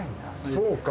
そうか。